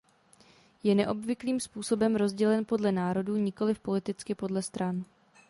Je neobvyklým způsobem rozdělen podle národů, nikoliv politicky podle stran.